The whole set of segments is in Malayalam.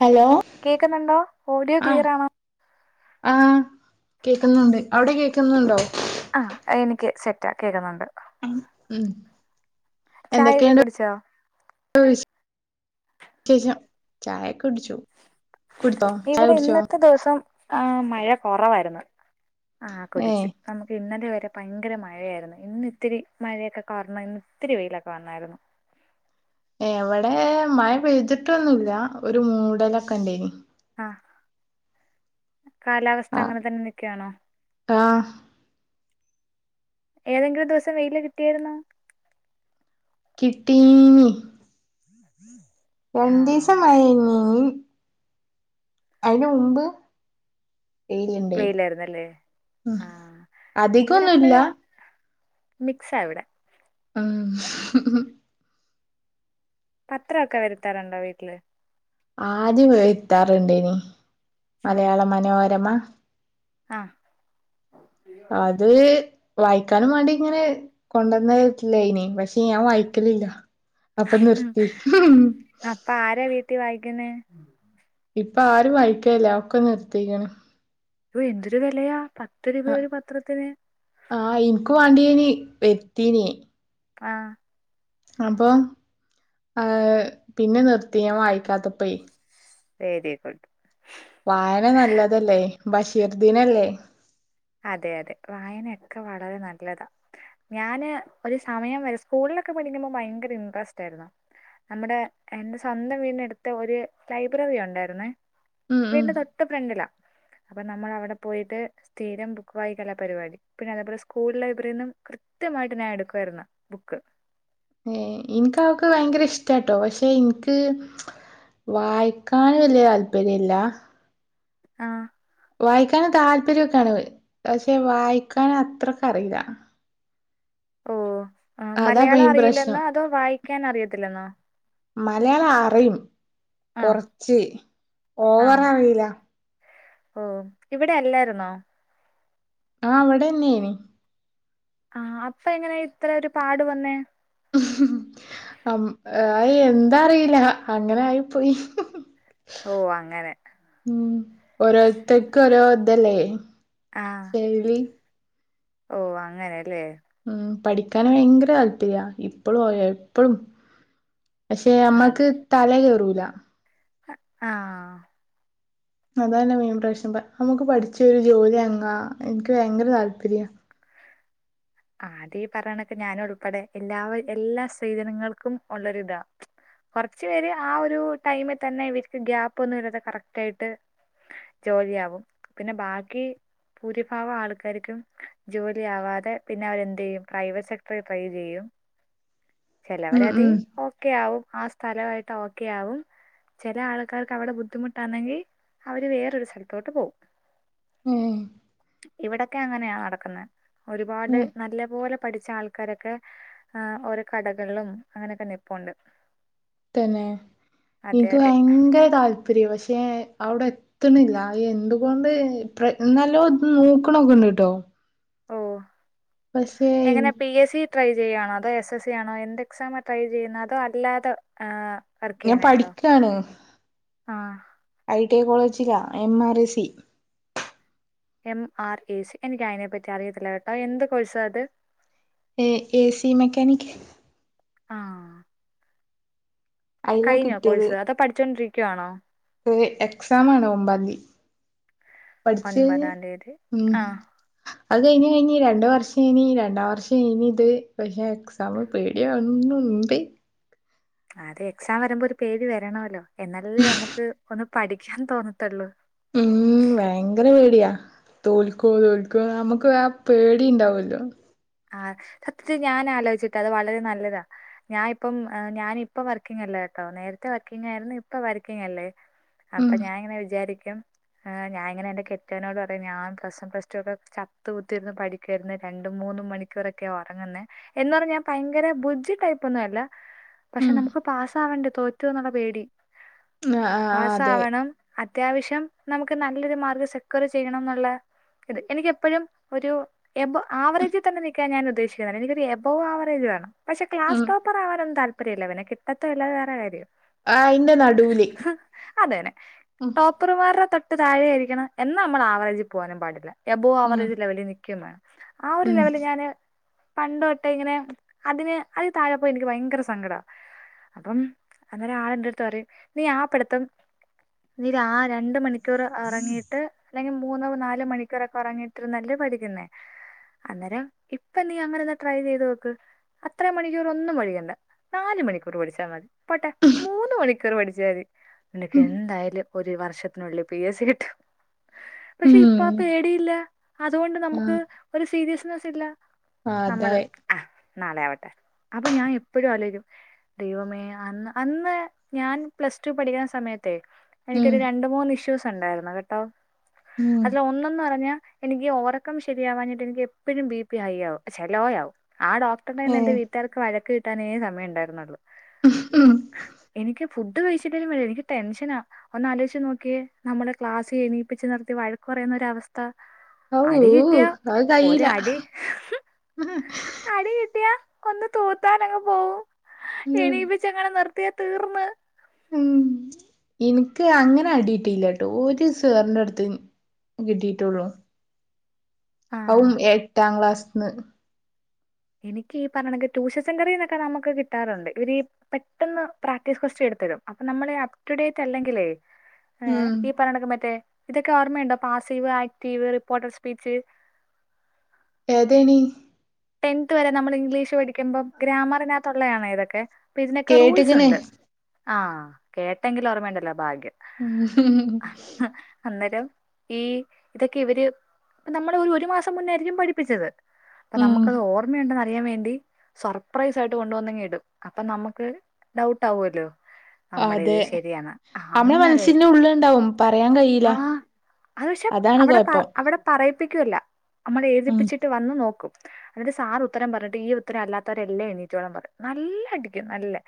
ഹലോ കേൾക്കുന്നുണ്ടോ ഓഡിയോ ക്ലിയർ ആണോ? ആ കേക്കുന്നുണ്ട്. അവിടെ കേക്കുന്നുണ്ടോ? ആ എനിക്ക് സെറ്റാ കേൾക്കുന്നുണ്ട്. ഉ ചായയൊക്കെ എന്തൊക്കെയുണ്ട്? കുടിച്ചോ വിശേഷം ചായൊക്കെ കുടിച്ചു. കുടിച്ചോ ചായ ഇവിടെ കുടിച്ചോ ഇന്നത്തെ ദിവസം ആ മഴ കുറവായിരുന്നു ആ കുടിച്ച്. ഏഹ് നമുക്ക് ഇന്നലെ വരെ ഭയങ്കര മഴയായിരുന്നു ഇന്ന് ഇത്തിരി മഴയൊക്കെ കുറഞ്ഞ ഇന്ന് ഇത്തിരി വെയിലൊക്കെ വന്നായിരുന്നു. എവിടെ മഴ പെയ്തിട്ടൊന്നുല്ല ഒരു മൂടലൊക്കെ ഉണ്ടേനി. ആ കാലാവസ്ഥ ആഹ് അങ്ങനെ തന്നെ നിൽക്കയാണോ? ആഹ് ഏതെങ്കിലും ദിവസം വെയില് കിട്ടിയരുന്നോ? കിട്ടീ... ആ രണ്ടിസം മയിന്നി നി അയിന് മുമ്പ് ഇണ്ടേയിന് വെയിലായിരുന്നല്ലേ ആ ഇവിടെ അധികൊന്നുംല്ല എപ്പോഴും മിക്സാ ഇവ്ടെ. ഉം പത്രക്കെ വരുത്താറുണ്ടോ വീട്ടില് ആദ്യം വഴത്താറുണ്ട്നി മലയാള മനോരമ ആഹ് അത് വായിക്കാനും വണ്ടിങ്ങനെ കൊണ്ടന്നവട്ടല്ലനി പക്ഷെ ഞാൻ വായിക്കലില്ല അപ്പൊ നിർത്തി അപ്പ ആരാ വീട്ടി വൈകുന്നേ ഇപ്പൊ ആരും വായിക്കല്ല ഒക്കെ നിർത്തിക്കണ് അ എന്തൊരു വിലയാ പത്ത് രൂപയ ഒരു പത്രത്തിന് ആഹ് ഇനക്ക് വേണ്ടീനി വരുതീനെ ആഹ് അപ്പൊ ഹ പിന്നെ നിർത്തി ഞാൻ വായിക്കാത്തപോ വേരികുട്ട് വായന നല്ലതല്ലേ ബഷീർദിനല്ലേ അതെ അതെ വായനയൊക്കെ വളരെ നല്ലതാണ് ഞാന് ഒരു സമയം വരെ സ്കൂളിലൊക്കെ പഠിക്കുമ്പോ ഭയങ്കര ഇന്ട്രസ്റ്റ് ആയിരുന്നു നമ്മുടെ എന്റെ സ്വന്തം വീടിനടുത്ത് ഒരു ലൈബ്രറി ഉണ്ടായിരുന്നേ ഉം ഉം വീടിന്റ തൊട്ട ഫ്രണ്ടില അപ്പൊ നമ്മൾ അവിടെ പോയിട്ട് തീരം ബുക്ക് വായികലാപരിപാടി പിന്നെ അതേപോലെ സ്കൂൾ ലൈബ്രറിൽ നിന്നും കൃത്യമായിട്ട് ഞാൻ എടുക്കയിരുന്ന ബുക്ക് ഏ ഇനിക്ക് അവക്ക് ഭയങ്കര ഇഷ്ട്ടോ പക്ഷെ ഇൻക്ക് വായിക്കാൻ വലിയ താല്പര്യല്ല ആഹ് വായിക്കൻ താല്പര്യക്കെണ് പക്ഷെ വായിക്കാൻ അത്രക്കെ അറില്ല ഓ ആ അതാ മലയാളം മെയിൻ പ്രശ്നം അറിയില്ലെന്നോ അതോ വായിക്കാൻ അറിയത്തില്ലെന്നോ മലയാളം അറിയും ആഹ് കൊറച്ച് ഓവർ ആഹ് അറില്ല ഓ ഇവിടെ അല്ലായിരുന്നോ ആഹ് ഇവിടെന്നെനി ആ അപ്പൊ എങ്ങനെ ഇത്ര ഒരു പാട് വന്നേ ഉ ഹ് എന്താ അറില്ല അങ്ങനെ ആയി പോയി ഓ അങ്ങനെ ഉം ഓരോത്തക്ക് ഓരോ ഇതല്ലേ ൽവി ഓഹോ അങ്ങനെല്ലേ ഉം പഠിക്കാന് ഭയങ്കര താല്പര്യ ഇപ്പഴും എപ്പഴും പക്ഷെ നമ്മക്ക് തല കേറൂല അ ആഹ് അതല്ലെ മെയിൻ പ്രശ്നം നമക്ക് പഠിച്ച ഒരു ജോലി അങ്ങാ ഇനിക്ക് ഭയങ്കര താല്പര്യ ആ അത ഈ പറയണൊക്കെ ഞാനും ഉൾപ്പെടെ എല്ലാ എല്ലാ സേീജനങ്ങൾക്കും ഉള്ളരി ഇതാ കുറച്ചു പേര് ആ ഒരു ടൈമിൽ തന്നെ ഇവർക്ക് ഗ്യാപ്പ് ഒന്നും വരാതെ കറക്റ്റ് ആയിട്ട് ജോലിയാവും പിന്നെ ബാക്കി ഭൂരിഭാഗം ആൾക്കാര്ക്കും ജോലിയവാതെ പിന്നെ അവരെന്ത് ചെയ്യും പ്രൈവറ്റ് സെക്ടറിൽ ട്രൈ ചെയ്യും ഉം ചിലവരതി ഉം ഓ ഓക്കെ ആവും ആ സ്ഥലമായിട്ട് ഓക്കെ ആവും ചില ആൾക്കാർക്ക് അവിടെ ബുദ്ധിമുട്ടാണെങ്കിൽ അവര് വേറൊരു സ്ഥലത്തോട്ട് പോകവും ഉം ഇവിടൊക്കെ അങ്ങനെയാ നടക്കുന്നത് ഒരുപാട് ഉം നല്ല പോലെ പഠിച്ച ആൾക്കാരൊക്കെ ഓരോ കടകളിലും അങ്ങനെയൊക്കെ നിപ്പുണ്ട് തന്നെ അതെ എനക്ക് അതെ ഭയങ്കര താല്പര്യം പക്ഷേ അവിടെ ത്തണില്ല എന്തുകൊണ്ട് എന്നാലോ ഇ നോക്കണൊക്കെണ്ട് കേട്ടോ ഓ എങ്ങനെ പി എസ് സി ട്രൈ ചെയ്യണോ അതോ എസ് എസ് സി ആണോ എന്ത് എക്സാ ട്രൈ ചെയ്യുന്നത് അതോ അല്ലാതെ ഹ് ഞാൻ പഠിക്കയാണ് ആ ഐ ടി കോളേജിലാ M R I C M R A C എനിക്ക് അതിനെപ്പറ്റി അറിയത്തില്ല കേട്ടോ എന്ത് കോഴസ് അത് ഏസി മെക്കാനിക് ആ അയിലാ കഴിഞ്ഞോ കോഴ്സ് അതോ പഠിച്ചുകൊണ്ടിരിക്കവാണോ? എക്സാ ആണ് ഒമ്പതിതി പഠിച്ച് കയ്ഞ് ഒൻപതാം തീയതി ഉം ആഹ് [unintelligible] അത് കഴിഞ്ഞ് കഴിഞ്ഞ് രണ്ട് വർഷം ഇനി രണ്ട വർഷം ഇനി ഇത് പക്ഷേ എക്സാംമ പേടിയന്നുണ്ട് അ അതെ എക്സാം വരുമ്പോ ഒരു പേടി വരണല്ലോ എന്നാലേ നമുക്ക് ഒന്ന് പഠിക്കാൻ തോന്നത്തുള്ളൂ ഉം വ ഭയങ്കര പേടിയാ തോൽക്കോ തോൽക്കോ നമുക്ക് വ പേടിണ്ടാവല്ലോ ആ സത്യത്തി ഞാൻ ആലോചിച്ചിട്ട് അത് വളരെ നല്ലതാ ഞാന ഇപ്പം ഞാനിപ്പ വർക്കിങ്ങല്ലേ കേട്ടോ നേരത്തെ വർക്കിംഗ ആയിരുന്നു ഇപ്പ വർക്കിങ് അല്ലേ ഉം അപ്പൊ ഞാൻ ഇങ്ങനെ വിചാരിക്കും ഞാനങ്ങനെ എന്റെ കെറ്റനോട് പറയും ഞാൻ പ്ലസ് വൺ പ്ല ടു ഒക്കെ ചത്ത് കുത്തിരുരുന്നു പഠിക്കായിരുന്നു രണ്ടും മൂന്നും മണിക്കൂറൊക്കെ ഉറങ്ങുന്ന എന്ന് പറഞ്ഞ ഞാൻ ഭയങ്കര ബുജ്ജി ടൈപ്പ് ഒന്നും അല്ല പക്ഷെ ഉം നമുക്ക് പാസ് ആവണ്ടേ തോറ്റു പോകുന്നുള്ള പേടി ആഹ് ആഹ് പാസ് അതെ ആവണം അത്യാവശ്യം നമുക്ക് നല്ലൊരു മാർക്ക് സെക്യൂർ ചെയ്യണം എന്നുള്ള എനിക്ക് എപ്പോഴും ഒരു എബവ് ആവറേജ് തന്നെ നിക്കാൻ ഞാൻ ഉദ്ദേശിക്കുന്ന എനിക്ക് ഒരു എബവ് ആവറേജ് വേണം പക്ഷെ ഉം ക്ലസ്ടോപ്പർ ആൻ താല്പം അല്ല പിന്നെ കിട്ടത്തോ ഇല്ലാ അത് വേറെ കാര്യം അയിന്റെ നടുലി അതേനെ ടോപ്പർമാരുടെ തൊട്ട് താഴെയായിരിക്കണം എന്നാ നമ്മൾ ആവറേജിൽ പോവാനും പാടില്ല എബവ് ഉം ആവറേജ് ലെവലിൽ നിൽക്കുകയും വേണം ആ ഒരു ഉം ലെവല് ഞാന് പണ്ടൊട്ട ഇങ്ങനെ അതിന് അതിതാഴെ പോയ എനിക്ക് ഭയങ്കര സങ്കടമാണ് അപ്പം അന്നേര ആളെന്റെടുത്ത് പറയും നീ ആ പടുത്തം നീരാ ആ രണ്ട മണി മണിക്കൂർ ഇറങ്ങിയിട്ട് അല്ലെങ്കിൽ മൂന്നു നാല് മണിക്കൂറൊക്കെ ഉറങ്ങിയിട്ടിരുന്നല് പഠിക്കുന്നേ അന്നേരം ഇപ്പ നീ അമങ്ങാനൊന്ന് ട്രൈ ചെയ്ത് നോക്ക് അത്ര മണിക്കൂർ ഒന്നും പടിക്കണ്ട നാല് മണിക്കൂർ പഠിച്ചാൽ മതി പോട്ടെ മൂന്ന് മണിക്കൂർ പഠിച്ചാ മതി നിനക്ക് ഉം എന്തായാലും ഒരു വർഷത്തിനുള്ളിൽ പി എസ് സി കിട്ടും പക്ഷെ ഇപ്പൊ ഉം പേടിയില്ല അതുകൊണ്ട് നമുക്ക് ആഹ് ഒരു സീരിയസ്നെസ് ഇല്ല നമ്മള് അതായി ആഹ് നാളെ ആവട്ടെ അപ്പൊ ഞാൻ എപ്പോഴും അലോയ്ക്കും ദൈവമേ അന്ന് അന്ന് ഞാൻ പ്ലസ് ടു പഠിക്കുന്ന സമയത്ത് തെ ഉം എനിക്കൊരു രണ്ട മൂന്ന് ഇഷ്യൂസ് ഷ്യൂസ് ഉണ്ടായിരുന്ന് കേട്ടോ ഉം അതില് ഒന്നെന്ന് പറഞ്ഞ എനിക്ക് ഒറക്കം ശരിയാവാഞ്ഞിട്ട് എനിക്ക് എപ്പോഴും ബി പി ഹൈ ആവും ചെ ലോ ആവും ആ ഡോക്ടറിടെ നിന്ന് എന്റെ ഏഹ് വീട്ടാർക്ക് വഴക്ക് കിട് ട്ടാനേ സമയം ഉണ്ടായിരുന്നുള്ളു ഉം എനിക്ക് ഫുഡ് കഴിച്ചിട്ടേ വേല എനിക്ക് ടെൻഷനാ ഒന്ന് ആലോചച്ച് നോക്കിയേ നമ്മുടെ ക്ലാസ് എനിപ്പിച്ചച്ച് നിർത്തി വഴക്കു പറയുന്ന ഒരവസ്ഥ ഔ അടി കിട്ടിയാ ഊഹ് അയ് കൈയൂല ഒരടി അടി കിട്ടിയ ഒന്ന് തൂത്താനങ് പോവും ഉം എണീപി പിച്ച് എങ്ങാനും നിർത്തിയ തീർന്ന് ഉം എനിക്ക് അങ്ങനെ അടിട്ടീലാട്ടോ ഒരു സേറിന്റെ അടുത്ത് കിട്ടീട്ടുള്ളു ആ അവും എട്ടാം ക്ലാസ്ന്ന് എനിക്ക് ഈ പറയണെങ്ക ടൂഷസെന്റെറിന്നൊക്കെ നമുക്ക് കിട്ടാറുണ്ട് ഇവര് പെട്ടന്ന് പ്രാക്ടീസ് ക്വസ്റ്റ്യൻ എടുത്തിടും അപ്പൊ നമ്മള് അപ്ടുഡേറ്റ് അല്ലെങ്കിലേ ഏ ഉം ഈ പറയണക്ക് മറ്റേ ഇതൊക്കെ ഓർമ്മയുണ്ടോ പാസീവ് ആക്റ്റീവ് റിപ്പോർട്ടർ സ്പീച്ച് ഏതായിനി ടെൻത് വരെ നമ്മള് ഇംഗ്ലീഷ് പഠിക്കുമ്പോ ഗ്രാമറിനകത്ത് ഉള്ളതാണേ ഇതൊക്കെ അപ്പ ഇതിനൊക്കെ റൂൾസ് കേട്ട്ക്ക്ണ് ഉണ്ട് ആ കേട്ടെങ്കിലും ഓർമ്മയുണ്ടല്ലോ ഭാഗ്യം ഉം അന്നേരം ഈ ഇതൊക്കെ ഇവര് നമ്മള് ഒരു ഒരു മാസം മുന്നെ ആയിരിക്കും പഠിപ്പിച്ചത്. അപ്പ ഉം നമുക്കത് ഓർമ്മയുണ്ടെന്ന് അറിയാൻ വേണ്ടി സർപ്രൈസ് ആയിട്ട് കൊണ്ട് വന്നിങ്ങ് ഇടും അപ്പൊ നമുക്ക് ഡൗട്ടാവൂല്ലോ അതെ നമ്മളെ അന്നേരെ മനസ്സിന്റെ ഉള്ളിലുണ്ടാവും പറയാൻ കഴിയില്ല ആ അത് പക്ഷെ അവിടെ അവിടെ പറയിപ്പിക്കുവല്ല നമ്മള് ഉം എഴുതിപ്പിച്ചിട്ട് വന്ന് നോക്കും. അന്നിട്ട് സാറ് ഉത്തരം പറഞ്ഞിട്ട് ഈ ഉത്തരം അല്ലാത്തോരെല്ലാം എണീറ്റോളാൻ പറയും നല്ല അടിക്കും നല്ലേ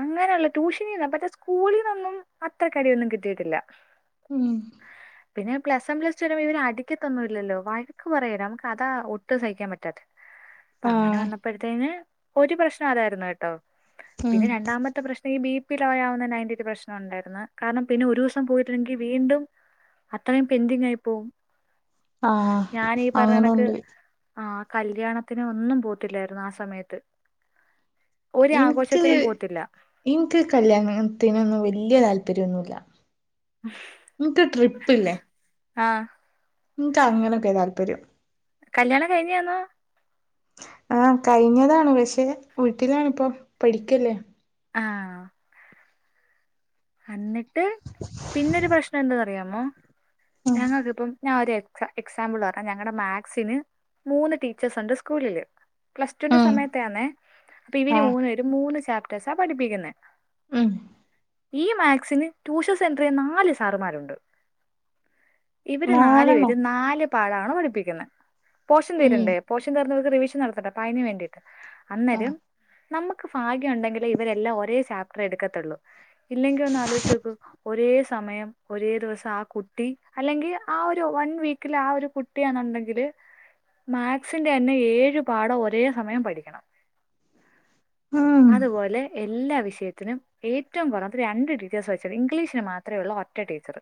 അങ്ങനെയുള്ള ട്യൂഷനീന്ന് പക്ഷേ സ്കൂളീന്നൊന്നും അത്രക്ക് അടിയൊന്നും കിട്ടീട്ടില്ല. ഉം പിന്നെ പ്ലസ് വൺ പ്ലസ്റ്റു വരുമ്പോ ഇവര് അടിക്കത്തൊന്നുവില്ലല്ലോ വഴക്ക് പറയുവേലെ നമുക്കതാ ഒട്ടും സഹിക്കാൻ പ റ്റാത്തെ അപ്പ അങ്ങനെ ആഹ് വന്നപ്പഴത്തേന് ഒരു പ്രശ്നം അതായിരുന്നു കേട്ടോ ഉം പിന്നെ രണ്ടാമത്തെ പ്രശ്നം ഈ ബി പി ലോയാവുന്ന അയിന്റെ ഒരു പ്രശ്നം ഉണ്ടായിരുന്നു കാരണം പിന്നെ ഒരു ദിവസം പോയിട്ടില്ലങ്കിൽ വീണ്ടും അത്രയും പെന്റിങ്ങായി പോവും ആഹ് ഞാനീ പറയണക്ക് അങ്ങനുണ്ട് ആ കല്യാണത്തിനും ഒന്നും പോത്തില്ലായിരുന്നു ആ സമയത്ത് ഒരു എനിക്ക് ആഘോഷത്തിനും പോത്തില്ല എനിക്ക് ഈ കല്യാണത്തിനൊന്നും വല്ല്യ താല്പര്യമൊന്നുവില്ല. ഇങ്ങക്ക് ട്രിപ്പില്ലേ ആഹ് എനിക്ക് അങ്ങനൊക്കെയാ താല്പര്യം കല്യാണം കഴിഞ്ഞതാണോ ആ കഴിഞ്ഞതാണ് പക്ഷെ വീട്ടിലാണിപ്പോ പഠിക്കല്ലേ ആഹ് അന്നിട്ട് പിന്നൊരു പ്രശ്നം എന്താന്ന് അറിയാമോ ഉം ഞങ്ങക്കിപ്പം ഞാൻ ഒര് എക്സാമ്പിള് പറഞ്ഞാൽ ഞങ്ങടെ മാത്‍സിന് മൂന്ന് ടീച്ചേഴ്സുണ്ട് സ്കൂളില്. പ്ലസ് ടുവിന്റെ ഉം സമയത്താന്നേ അപ്പൊ ഇവര് ആഹ് മൂന്ന് പേരും മൂന്ന് ചാപ്റ്റേഴസാ പഠിപ്പിക്കുന്നേ ഉം ഈ മാത്‍സിന് ട്യൂഷൻ സെന്ററിൽ നാല് സാറമാരുണ്ട് ഇവര് നാല് നാലെണ്ണം പേരും നാല് പാഠമാണ് പഠിപ്പിക്കുന്നേ പോഷൻ ഉം തീരണ്ടേ പോഷൻ തീർന്ന് ഇവർക്ക് റിവിഷൻ നടത്തണ്ടെ അപ്പോ അതിന് വേണ്ടീട്ട് അന്നേരം ആഹ് നമുക്ക് ഭാഗ്യം ഉണ്ടെങ്കിലെ ഇവരെല്ലാം ഒരേ ചാപ്റ്റർ എടുക്കത്തുള്ളൂ ഇല്ലെങ്കി ഒന്ന് ആലോചിച്ച് നോക്കൂ ഒരേ സമയം ഒരേ ദിവസം ആ കുട്ടി അല്ലെങ്കി ആ ഒരു വൺ വീക്കില് ആ ഒരു കുട്ടിയാന്നുണ്ടെങ്കില് മാത്സിന്റെ തന്നെ ഏഴ് പാഠം ഒരേ സമയം പഠിക്കണം ഉം അതുപോലെ എല്ലാ വിഷയത്തിനും ഏറ്റവും കുറഞ്ഞത് രണ്ട് ടീച്ചേഴസ് വെച്ചാണ് ഇംഗ്ലീഷിന് മാത്രെ ഉള്ളു ഒറ്റ ടീച്ചർ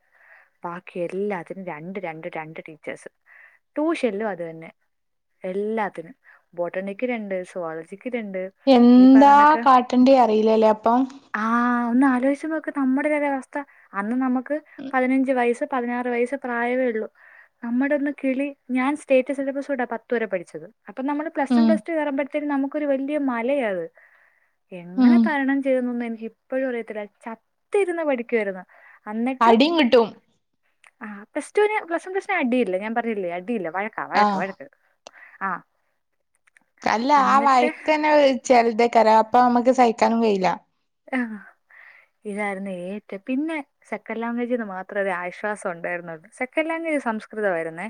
ബാക്കി എല്ലാത്തിനും രണ്ട് രണ്ട് രണ്ട് ടീച്ചേഴസ് ട്യൂഷനിലും അത് തന്നെ എല്ലാത്തിനും ബോട്ടണിക്ക് രണ്ട് സുവോളജിക്ക് രണ്ട് ഈ എന്താ പറയണക്ക് കാട്ടണ്ടിയേ അറിയില്ലല്ലേ അപ്പം ആഹ് ഒന്ന് ആലോചിച്ച് നോക്ക് നമ്മുടെ ഈയൊരവസ്ഥ അന്ന് നമുക്ക് പതിനഞ്ച് വയസ്സ് പതിനാറ് വയസ്സ് പ്രായവേ ഉള്ളു നമ്മുടെ ഒന്ന് കിളി ഞാൻ സ്റ്റേറ്റ് സിലബസ് കൂടാ പത്ത്‌ വരെ പഠിച്ചത് അപ്പൊ നമ്മള് പ്ലസ് വൺ ഉം പ്ലസ് ടു കയറുമ്പഴത്തേനും നമുക്കൊരു വല്ല്യ മലയാ അത് ഉം എങ്ങനെ തരണം ചെയ്തെന്നൊന്നും എനിക്ക് ഇപ്പോഴും അറിയത്തില്ല ചത്തിരുന്ന് പഠിക്കുവാരുന്നു അന്നിട്ടും അടിയും കിട്ടും ആഹ് പ്ലസ് ടുവിന് പ്ലസ് വൺ പ്ലസ്ടുന് അടിയില്ല ഞാൻ പറഞ്ഞില്ലേ അടിയില്ലേ വഴ ക്കാ വഴക്ക് ആഹ് വഴക്ക് ആഹ് അല്ല ആഹ് വയക്ക് തന്നെ ചെലുതേക്ക അറിയ അപ്പൊ നമ്മക്ക് സഹിക്കാനും കയില്ല ആഹ് ഇതായിരുന്നു ഏറ്റ പിന്നേ സെക്കൻഡ് ലാങ്ങുവേജീന്ന് മാത്രേ ഒരു ആശ്വാസം ഉണ്ടാരുന്നോളു സെക്കൻ് ലാങ്ങുവേജ് സംസ്കൃതം ആരുന്നേ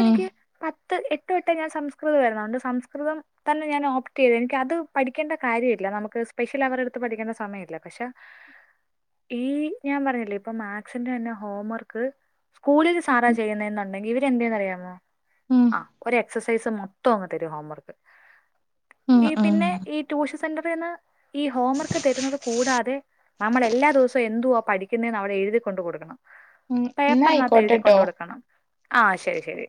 ഉം പത്ത് എട്ടോട്ടെ ഞാൻ സംസ്കൃതം ആരുന്ന് അതോണ്ട് സംസ്കൃതം തന്നെ ഞാൻ ഓപ്റ്റ് ചെയ്ത് എനിക്ക് അത് പഠിക്കേണ്ട കാര്യമില്ല നമുക്ക് സ്പെഷ്യൽ അവർടുത്ത് പഠിക്കുന്ന സമയമില്ല പക്ഷെ ഈ ഞാൻ പറഞ്ഞില്ലേ ഇപ്പൊ മാക്സിന്റെ തന്ന ഹോം വർക്ക് കൂളിലെ സാറ ചെയ്യുനെന്നോണ്ടെങ്കി ഇവര് എന്തേന്നറിയാമോ ഉം ആഹ് ഒരു എക്സസൈസ് മൊത്തോ അങ്ങ് തരു ഹോംവർക്ക് ഉം ഈ ഉം പിന്നെ ഈ ടൂഷൻ സെന്ററീന്ന് ഈ ഹോംവർക്ക് തരുന്നത് കൂടാതെ നമ്മള് എല്ലാ ദിവസവും എന്തുവാ പഠിക്കുന്നേന്ന് അവിടെ എഴുതിക്കൊണ്ട് കൊടുക്കണം എന്നാ പേപ്പറിനാത്ത് എഴുതി കൊണ്ട് ആയിക്കോട്ടെട്ടോ കൊടുക്കണം ആഹ് ശരി ശരി